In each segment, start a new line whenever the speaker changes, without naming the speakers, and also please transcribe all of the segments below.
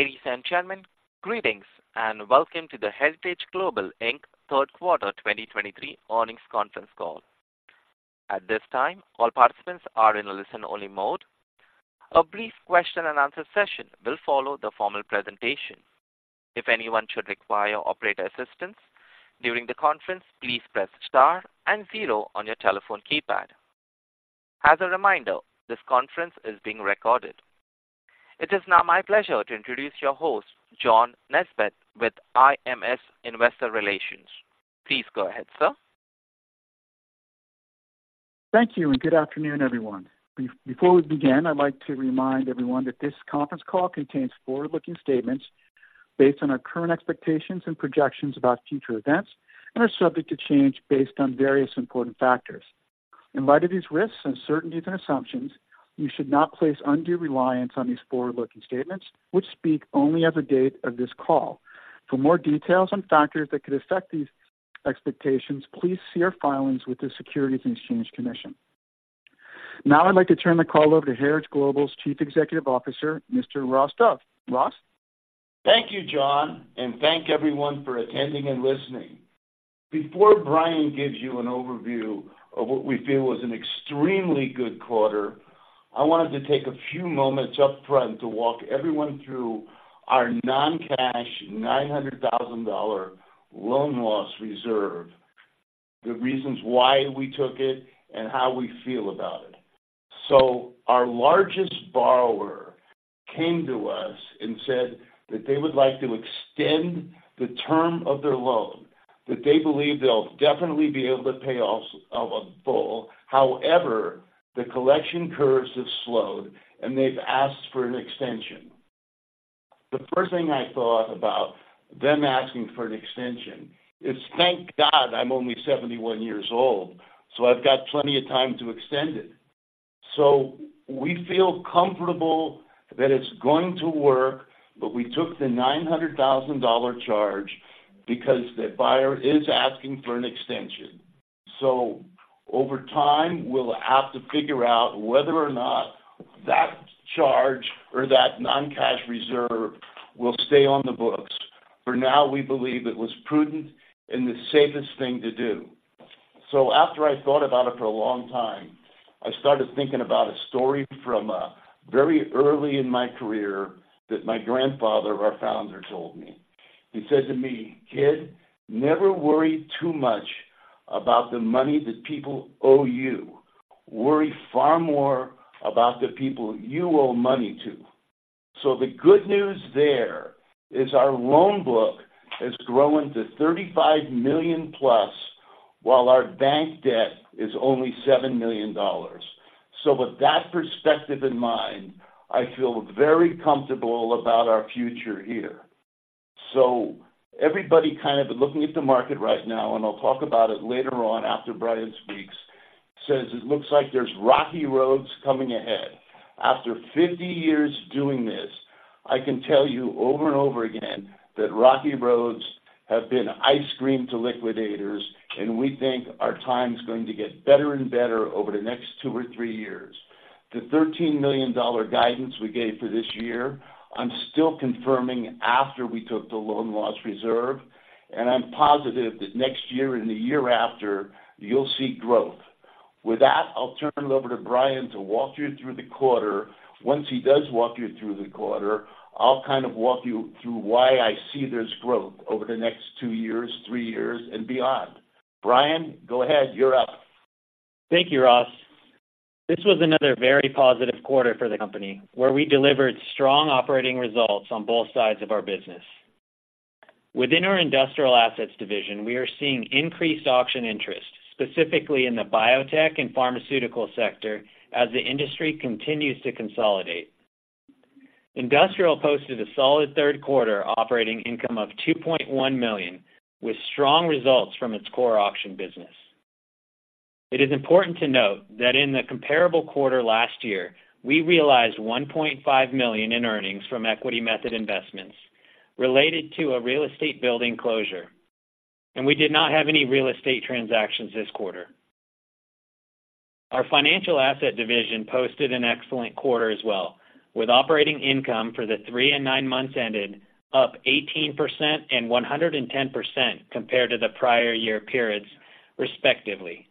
Ladies and gentlemen, greetings, and welcome to the Heritage Global Inc. Third Quarter 2023 Earnings Conference Call. At this time, all participants are in a listen-only mode. A brief question and answer session will follow the formal presentation. If anyone should require operator assistance during the conference, please press star and zero on your telephone keypad. As a reminder, this conference is being recorded. It is now my pleasure to introduce your host, John Nesbett, with IMS Investor Relations. Please go ahead, sir.
Thank you, and good afternoon, everyone. Before we begin, I'd like to remind everyone that this conference call contains forward-looking statements based on our current expectations and projections about future events, and are subject to change based on various important factors. In light of these risks, uncertainties and assumptions, you should not place undue reliance on these forward-looking statements, which speak only as of date of this call. For more details on factors that could affect these expectations, please see our filings with the Securities and Exchange Commission. Now, I'd like to turn the call over to Heritage Global's Chief Executive Officer, Mr. Ross Dove. Ross?
Thank you, John, and thank everyone for attending and listening. Before Brian gives you an overview of what we feel was an extremely good quarter, I wanted to take a few moments upfront to walk everyone through our non-cash $900,000 loan loss reserve, the reasons why we took it, and how we feel about it. So our largest borrower came to us and said that they would like to extend the term of their loan, that they believe they'll definitely be able to pay off. However, the collection curves have slowed, and they've asked for an extension. The first thing I thought about them asking for an extension is, thank God, I'm only 71 years old, so I've got plenty of time to extend it. So we feel comfortable that it's going to work, but we took the $900,000 charge because the buyer is asking for an extension. So over time, we'll have to figure out whether or not that charge or that non-cash reserve will stay on the books. For now, we believe it was prudent and the safest thing to do. So after I thought about it for a long time, I started thinking about a story from very early in my career that my grandfather, our founder, told me. He said to me, "Kid, never worry too much about the money that people owe you. Worry far more about the people you owe money to." So the good news there is our loan book has grown to $35 million plus, while our bank debt is only $7 million. So with that perspective in mind, I feel very comfortable about our future here. So everybody kind of looking at the market right now, and I'll talk about it later on after Brian speaks, says it looks like there's rocky roads coming ahead. After 50 years of doing this, I can tell you over and over again that rocky roads have been ice cream to liquidators, and we think our time is going to get better and better over the next two or three years. The $13 million guidance we gave for this year, I'm still confirming after we took the loan loss reserve, and I'm positive that next year and the year after, you'll see growth. With that, I'll turn it over to Brian to walk you through the quarter. Once he does walk you through the quarter, I'll kind of walk you through why I see there's growth over the next two years, three years, and beyond. Brian, go ahead. You're up.
Thank you, Ross. This was another very positive quarter for the company, where we delivered strong operating results on both sides of our business. Within our industrial assets division, we are seeing increased auction interest, specifically in the biotech and pharmaceutical sector, as the industry continues to consolidate. Industrial posted a solid third quarter operating income of $2.1 million, with strong results from its core auction business. It is important to note that in the comparable quarter last year, we realized $1.5 million in earnings from equity method investments related to a real estate building closure, and we did not have any real estate transactions this quarter. Our financial asset division posted an excellent quarter as well, with operating income for the three and nine months ended up 18% and 110% compared to the prior year periods, respectively.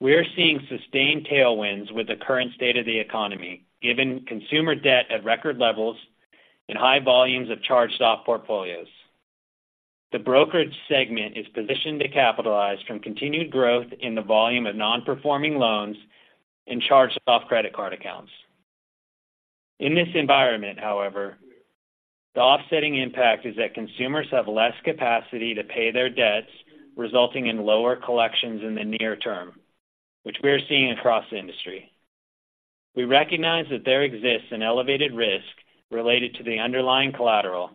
We are seeing sustained tailwinds with the current state of the economy, given consumer debt at record levels and high volumes of charged-off portfolios. The brokerage segment is positioned to capitalize from continued growth in the volume of non-performing loans and charged-off credit card accounts. In this environment, however, the offsetting impact is that consumers have less capacity to pay their debts, resulting in lower collections in the near term, which we are seeing across the industry. We recognize that there exists an elevated risk related to the underlying collateral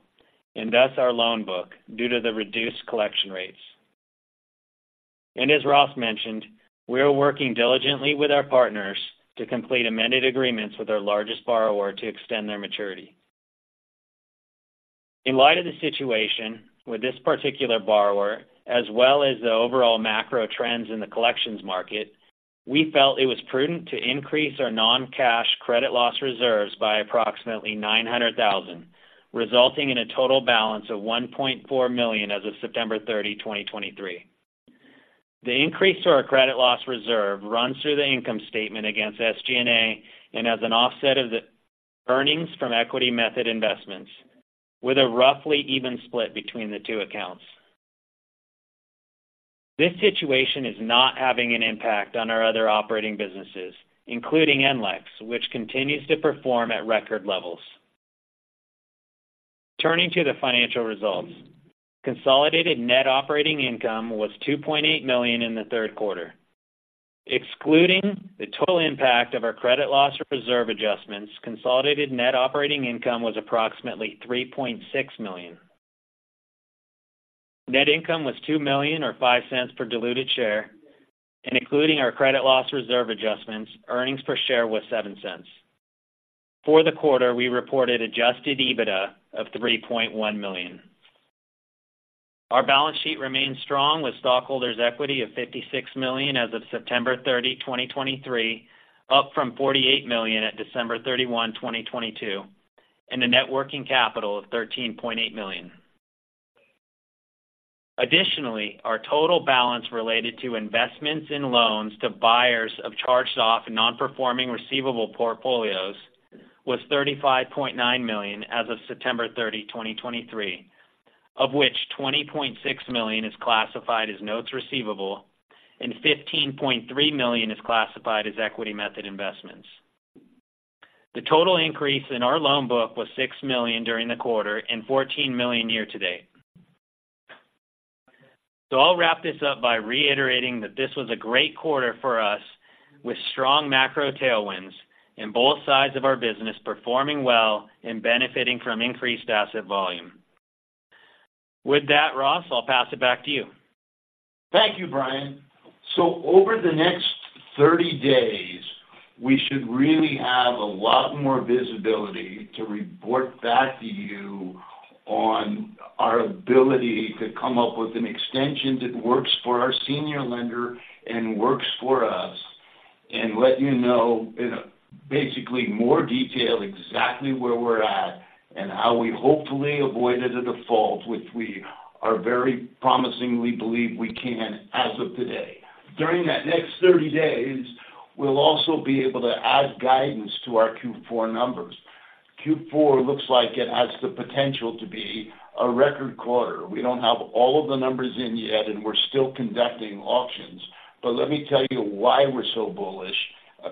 and thus our loan book, due to the reduced collection rates. As Ross mentioned, we are working diligently with our partners to complete amended agreements with our largest borrower to extend their maturity. In light of the situation with this particular borrower, as well as the overall macro trends in the collections market, we felt it was prudent to increase our non-cash credit loss reserves by approximately $900,000, resulting in a total balance of $1.4 million as of September 30, 2023. The increase to our credit loss reserve runs through the income statement against SG&A and as an offset of the earnings from equity method investments, with a roughly even split between the two accounts. This situation is not having an impact on our other operating businesses, including NLEX, which continues to perform at record levels. Turning to the financial results. Consolidated net operating income was $2.8 million in the third quarter. Excluding the total impact of our credit loss reserve adjustments, consolidated net operating income was approximately $3.6 million. Net income was $2 million, or $0.05 per diluted share, and including our credit loss reserve adjustments, earnings per share was $0.07. For the quarter, we reported Adjusted EBITDA of $3.1 million. Our balance sheet remains strong, with stockholders' equity of $56 million as of September 30, 2023, up from $48 million at December 31, 2022, and a net working capital of $13.8 million. Additionally, our total balance related to investments in loans to buyers of charged-off non-performing receivable portfolios was $35.9 million as of September 30, 2023, of which $20.6 million is classified as notes receivable and $15.3 million is classified as equity method investments. The total increase in our loan book was $6 million during the quarter and $14 million year to date. So I'll wrap this up by reiterating that this was a great quarter for us, with strong macro tailwinds and both sides of our business performing well and benefiting from increased asset volume. With that, Ross, I'll pass it back to you.
Thank you, Brian. So over the next 30 days, we should really have a lot more visibility to report back to you on our ability to come up with an extension that works for our senior lender and works for us, and let you know in basically more detail, exactly where we're at and how we hopefully avoided a default, which we are very promisingly believe we can as of today. During that next 30 days, we'll also be able to add guidance to our Q4 numbers. Q4 looks like it has the potential to be a record quarter. We don't have all of the numbers in yet, and we're still conducting auctions. But let me tell you why we're so bullish,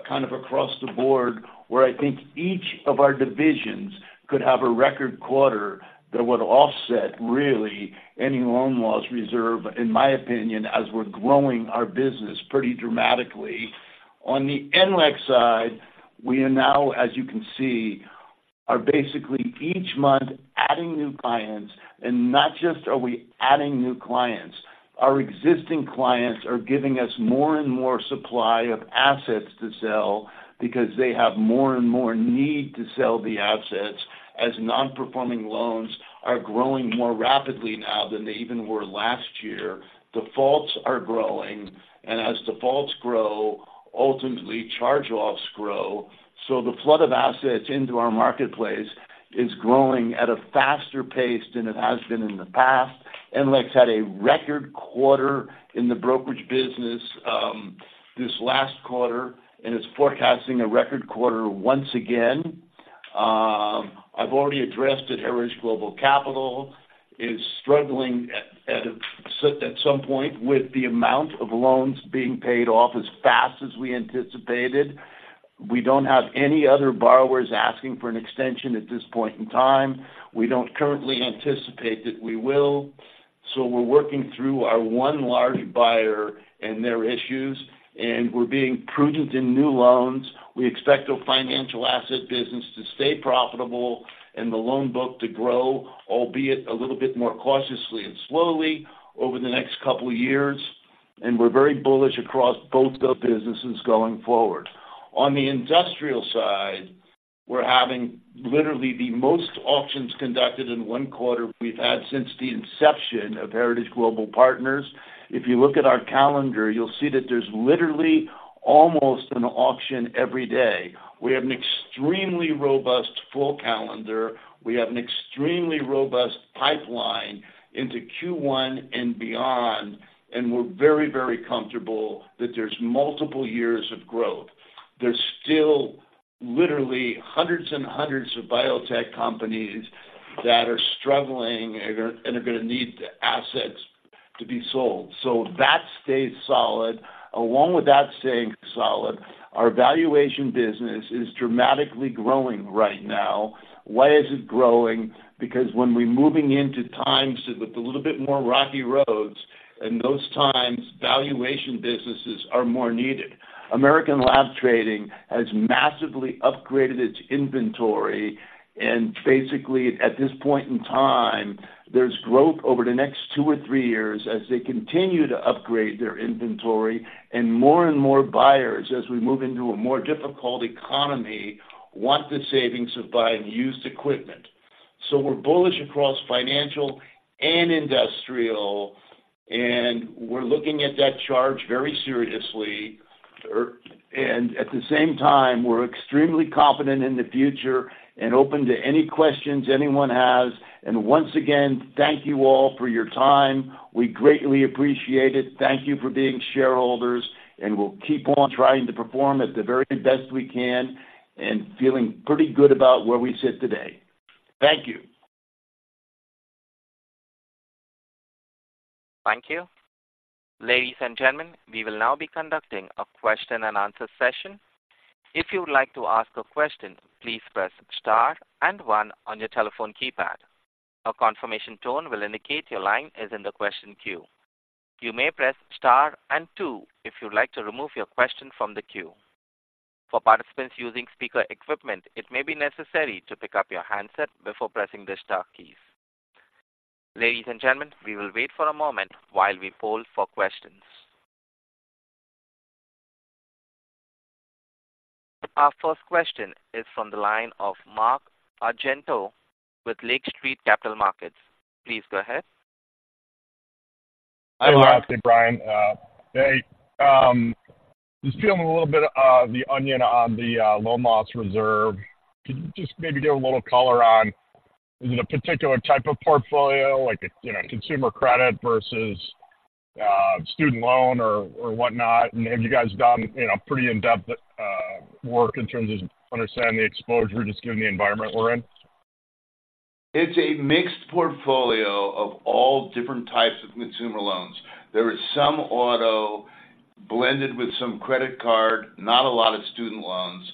kind of across the board, where I think each of our divisions could have a record quarter that would offset really any loan loss reserve, in my opinion, as we're growing our business pretty dramatically. On the NLEX side, we are now, as you can see, basically each month adding new clients, and not just are we adding new clients, our existing clients are giving us more and more supply of assets to sell because they have more and more need to sell the assets, as non-performing loans are growing more rapidly now than they even were last year. Defaults are growing, and as defaults grow, ultimately, charge-offs grow. So the flood of assets into our marketplace is growing at a faster pace than it has been in the past. NLEX had a record quarter in the brokerage business, this last quarter, and is forecasting a record quarter once again. I've already addressed that Heritage Global Capital is struggling at some point with the amount of loans being paid off as fast as we anticipated. We don't have any other borrowers asking for an extension at this point in time. We don't currently anticipate that we will. So we're working through our one large buyer and their issues, and we're being prudent in new loans. We expect the financial asset business to stay profitable and the loan book to grow, albeit a little bit more cautiously and slowly over the next couple of years. And we're very bullish across both the businesses going forward.
On the industrial side, we're having literally the most auctions conducted in one quarter we've had since the inception of Heritage Global Partners. If you look at our calendar, you'll see that there's literally almost an auction every day. We have an extremely robust full calendar. We have an extremely robust pipeline into Q1 and beyond, and we're very, very comfortable that there's multiple years of growth. There's still literally hundreds and hundreds of biotech companies that are struggling and are gonna need the assets to be sold. So that stays solid. Along with that staying solid, our valuation business is dramatically growing right now. Why is it growing? Because when we're moving into times with a little bit more rocky roads, in those times, valuation businesses are more needed.
American Lab Trading has massively upgraded its inventory, and basically, at this point in time, there's growth over the next two or three years as they continue to upgrade their inventory, and more and more buyers, as we move into a more difficult economy, want the savings of buying used equipment.... So we're bullish across financial and industrial, and we're looking at that charge very seriously. And at the same time, we're extremely confident in the future and open to any questions anyone has. And once again, thank you all for your time. We greatly appreciate it. Thank you for being shareholders, and we'll keep on trying to perform at the very best we can and feeling pretty good about where we sit today. Thank you.
Thank you. Ladies and gentlemen, we will now be conducting a question-and-answer session. If you would like to ask a question, please press star and one on your telephone keypad. A confirmation tone will indicate your line is in the question queue. You may press star and two if you'd like to remove your question from the queue. For participants using speaker equipment, it may be necessary to pick up your handset before pressing the star keys. Ladies and gentlemen, we will wait for a moment while we poll for questions. Our first question is from the line of Mark Argento with Lake Street Capital Markets. Please go ahead.
Hi, Mark.
Hey, Brian. Just feeling a little bit of the onion on the loan loss reserve. Could you just maybe give a little color on, is it a particular type of portfolio, like a, you know, consumer credit versus student loan or whatnot? And have you guys done, you know, pretty in-depth work in terms of understanding the exposure, just given the environment we're in?
It's a mixed portfolio of all different types of consumer loans. There is some auto blended with some credit card, not a lot of student loans.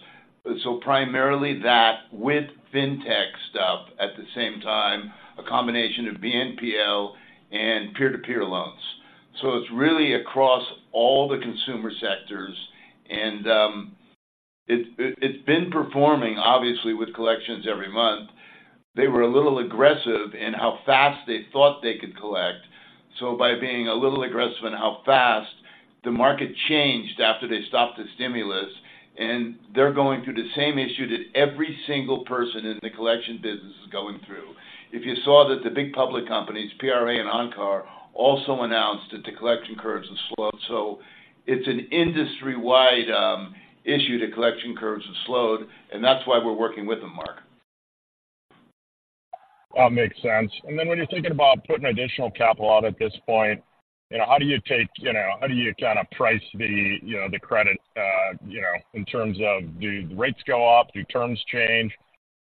So primarily that with fintech stuff at the same time, a combination of BNPL and peer-to-peer loans. So it's really across all the consumer sectors, and it it's been performing obviously with collections every month. They were a little aggressive in how fast they thought they could collect. So by being a little aggressive in how fast, the market changed after they stopped the stimulus, and they're going through the same issue that every single person in the collection business is going through. If you saw that the big public companies, PRA and Encore, also announced that the collection curves have slowed. So it's an industry-wide issue, that collection curves have slowed, and that's why we're working with them, Mark.
That makes sense. And then when you're thinking about putting additional capital out at this point, you know, how do you take... You know, how do you kinda price the, you know, the credit, you know, in terms of do the rates go up, do terms change?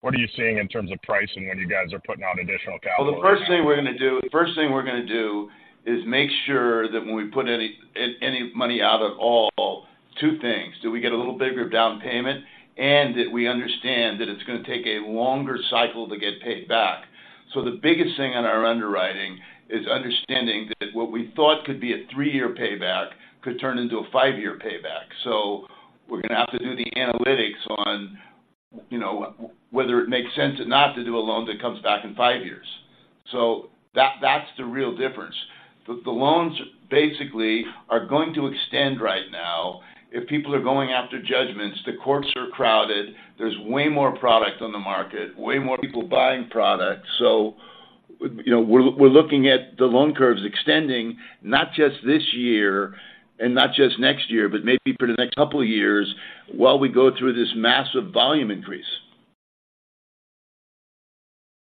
What are you seeing in terms of pricing when you guys are putting out additional capital?
Well, the first thing we're gonna do is make sure that when we put any, any money out at all, two things: Do we get a little bigger down payment? And that we understand that it's gonna take a longer cycle to get paid back. So the biggest thing on our underwriting is understanding that what we thought could be a three-year payback could turn into a five-year payback. So we're gonna have to do the analytics on, you know, whether it makes sense or not to do a loan that comes back in five years. So that, that's the real difference. The loans basically are going to extend right now. If people are going after judgments, the courts are crowded. There's way more product on the market, way more people buying product. So, you know, we're looking at the collection curves extending not just this year and not just next year, but maybe for the next couple of years while we go through this massive volume increase.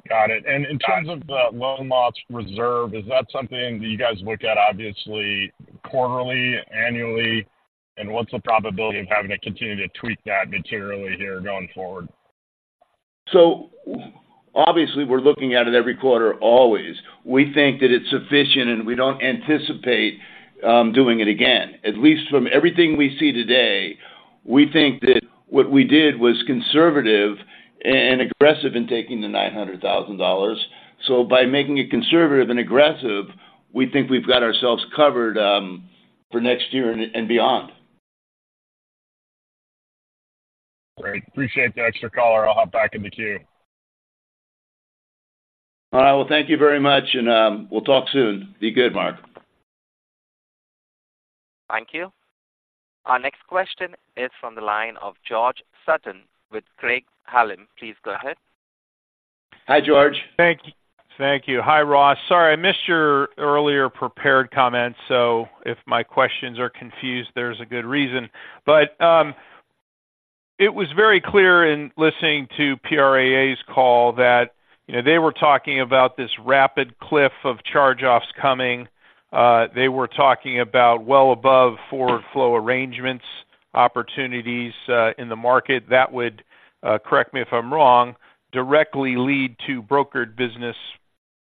Got it. In terms of the loan loss reserve, is that something that you guys look at, obviously, quarterly, annually? What's the probability of having to continue to tweak that materially here going forward?
Obviously, we're looking at it every quarter, always. We think that it's sufficient, and we don't anticipate doing it again. At least from everything we see today, we think that what we did was conservative and aggressive in taking the $900,000. By making it conservative and aggressive, we think we've got ourselves covered for next year and beyond.
Great. Appreciate the extra color. I'll hop back in the queue.
All right. Well, thank you very much, and, we'll talk soon. Be good, Mark.
Thank you. Our next question is from the line of George Sutton with Craig-Hallum. Please go ahead.
Hi, George.
Thank you. Thank you. Hi, Ross. Sorry, I missed your earlier prepared comments, so if my questions are confused, there's a good reason. But, it was very clear in listening to PRA's call that, you know, they were talking about this rapid cliff of charge-offs coming. They were talking about well above forward flow arrangements, opportunities, in the market. That would, correct me if I'm wrong, directly lead to brokered business,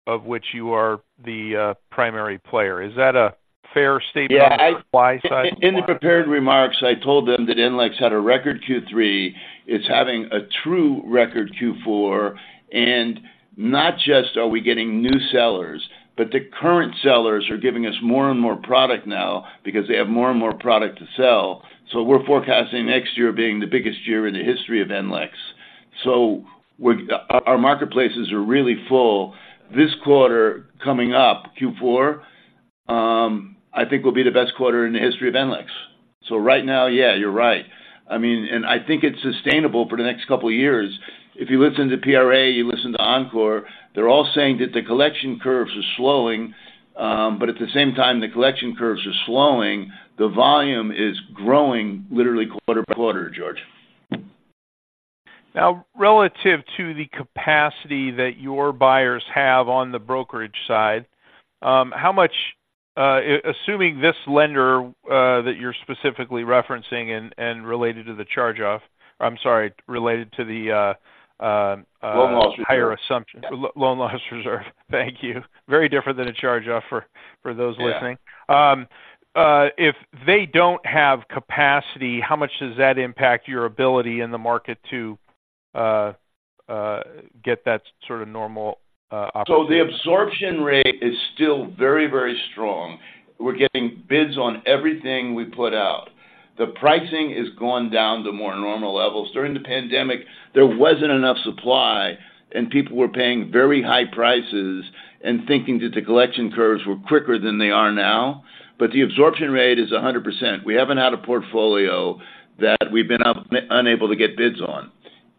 of which you are the, primary player. Is that a fair statement on your buy side?
In the prepared remarks, I told them that NLEX had a record Q3. It's having a true record Q4, and not just are we getting new sellers, but the current sellers are giving us more and more product now because they have more and more product to sell. So we're forecasting next year being the biggest year in the history of NLEX. Our marketplaces are really full. This quarter coming up, Q4, I think will be the best quarter in the history of NLEX. So right now, yeah, you're right. I mean, and I think it's sustainable for the next couple of years. If you listen to PRA, you listen to Encore, they're all saying that the collection curves are slowing, but at the same time, the collection curves are slowing, the volume is growing literally quarter by quarter, George.
Now, relative to the capacity that your buyers have on the brokerage side, how much, assuming this lender that you're specifically referencing and related to the charge-off, I'm sorry, related to the,
Loan loss.
Higher assumption. Loan loss reserve. Thank you. Very different than a charge-off for, for those listening.
Yeah.
If they don't have capacity, how much does that impact your ability in the market to get that sort of normal opportunity?
So the absorption rate is still very, very strong. We're getting bids on everything we put out. The pricing has gone down to more normal levels. During the pandemic, there wasn't enough supply, and people were paying very high prices and thinking that the collection curves were quicker than they are now. But the absorption rate is 100%. We haven't had a portfolio that we've been unable to get bids on.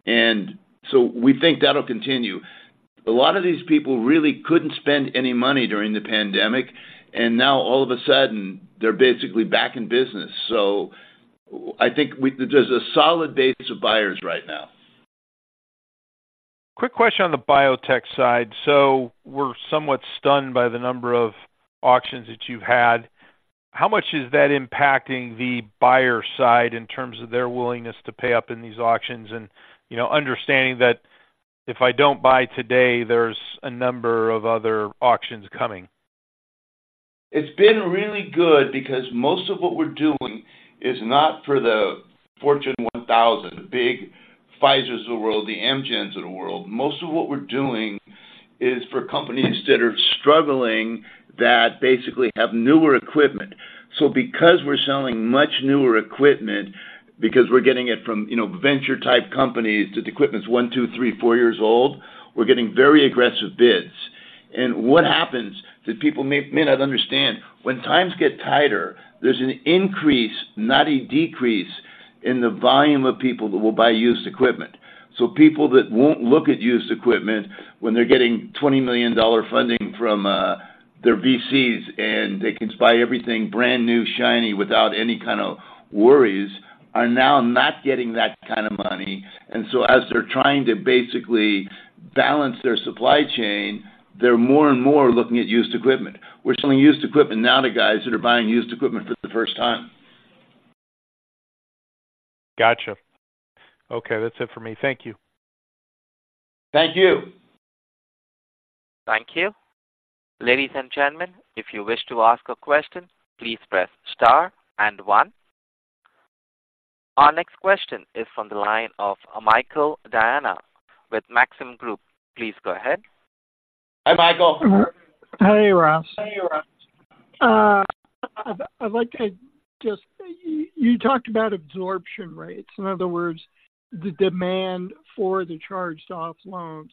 And so we think that'll continue. A lot of these people really couldn't spend any money during the pandemic, and now all of a sudden, they're basically back in business. So I think we, there's a solid base of buyers right now.
Quick question on the biotech side. We're somewhat stunned by the number of auctions that you've had. How much is that impacting the buyer side in terms of their willingness to pay up in these auctions and, you know, understanding that if I don't buy today, there's a number of other auctions coming?
It's been really good because most of what we're doing is not for the Fortune 1000, the big Pfizers of the world, the Amgens of the world. Most of what we're doing is for companies that are struggling, that basically have newer equipment. So because we're selling much newer equipment, because we're getting it from, you know, venture-type companies, that the equipment's one, two, three, four years old, we're getting very aggressive bids. And what happens, that people may not understand, when times get tighter, there's an increase, not a decrease, in the volume of people that will buy used equipment. So people that won't look at used equipment when they're getting $20 million funding from their VCs, and they can buy everything brand new, shiny, without any kind of worries, are now not getting that kind of money. And so as they're trying to basically balance their supply chain, they're more and more looking at used equipment. We're selling used equipment now to guys that are buying used equipment for the first time.
Gotcha. Okay, that's it for me. Thank you.
Thank you.
Thank you. Ladies and gentlemen, if you wish to ask a question, please press star and one. Our next question is from the line of Michael Diana with Maxim Group. Please go ahead.
Hi, Michael.
Hey, Ross. Hey, Ross. I'd like to just... You talked about absorption rates, in other words, the demand for the charged-off loans.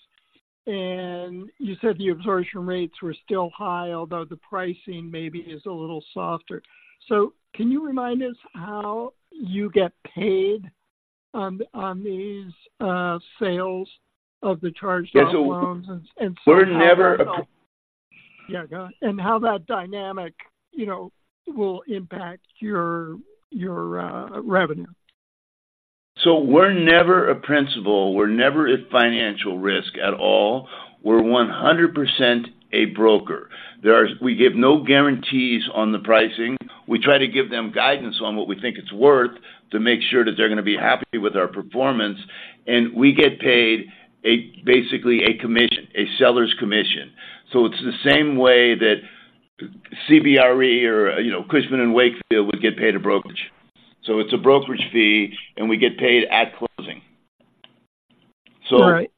And you said the absorption rates were still high, although the pricing maybe is a little softer. So can you remind us how you get paid on these sales of the charged-off loans?
Yes, so we're never-
Yeah, go ahead. How that dynamic, you know, will impact your revenue?
So we're never a principal, we're never a financial risk at all. We're 100% a broker. We give no guarantees on the pricing. We try to give them guidance on what we think it's worth to make sure that they're going to be happy with our performance, and we get paid a basically a commission, a seller's commission. So it's the same way that CBRE or, you know, Cushman & Wakefield would get paid a brokerage. So it's a brokerage fee, and we get paid at closing.
All right.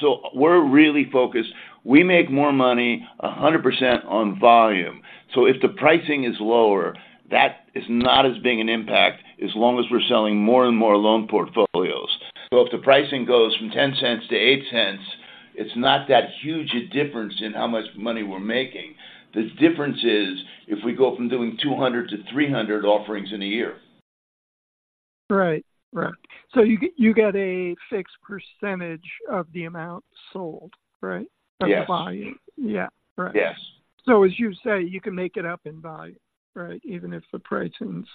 So we're really focused. We make more money 100% on volume, so if the pricing is lower, that is not as being an impact, as long as we're selling more and more loan portfolios. So if the pricing goes from $0.10 to $0.08, it's not that huge a difference in how much money we're making. The difference is if we go from doing 200 to 300 offerings in a year.
Right. Right. So you get, you get a fixed percentage of the amount sold, right?
Yes.
Of volume. Yeah, correct.
Yes.
So as you say, you can make it up in volume, right? Even if the pricing's-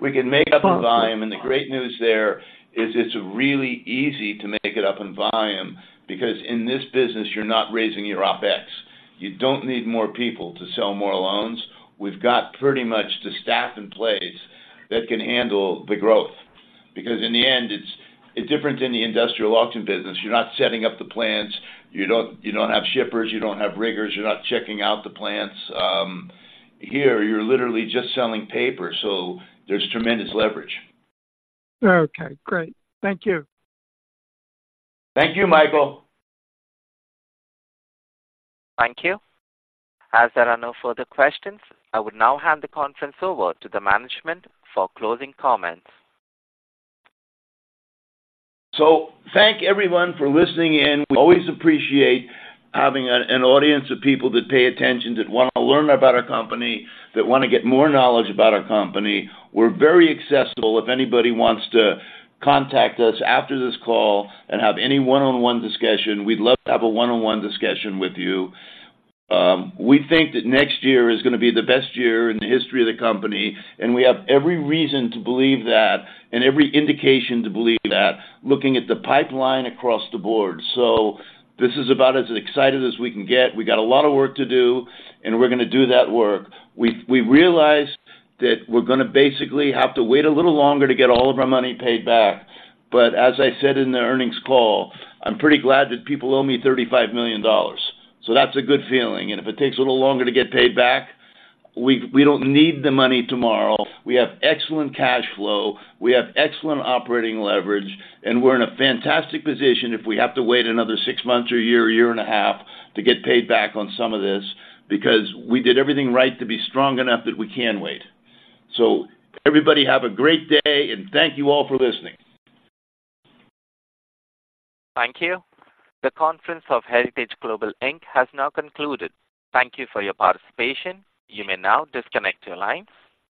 We can make up in volume, and the great news there is it's really easy to make it up in volume because in this business, you're not raising your OpEx. You don't need more people to sell more loans. We've got pretty much the staff in place that can handle the growth. Because in the end, it's different in the industrial auction business. You're not setting up the plants, you don't have shippers, you don't have riggers, you're not checking out the plants. Here, you're literally just selling paper, so there's tremendous leverage.
Okay, great. Thank you.
Thank you, Michael.
Thank you. As there are no further questions, I would now hand the conference over to the management for closing comments.
Thank everyone for listening in. We always appreciate having an audience of people that pay attention, that want to learn about our company, that want to get more knowledge about our company. We're very accessible. If anybody wants to contact us after this call and have any one-on-one discussion, we'd love to have a one-on-one discussion with you. We think that next year is going to be the best year in the history of the company, and we have every reason to believe that and every indication to believe that, looking at the pipeline across the board. This is about as excited as we can get. We got a lot of work to do, and we're going to do that work. We realized that we're going to basically have to wait a little longer to get all of our money paid back. But as I said in the earnings call, I'm pretty glad that people owe me $35 million. So that's a good feeling. And if it takes a little longer to get paid back, we don't need the money tomorrow. We have excellent cash flow, we have excellent operating leverage, and we're in a fantastic position if we have to wait another six months or a year, a year and a half to get paid back on some of this, because we did everything right to be strong enough that we can wait. So everybody, have a great day, and thank you all for listening.
Thank you. The conference of Heritage Global Inc. has now concluded. Thank you for your participation. You may now disconnect your lines.